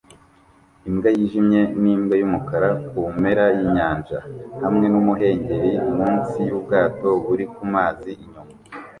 Imbwa yijimye nimbwa yumukara kumpera yinyanja hamwe numuhengeri munsi yubwato buri kumazi inyuma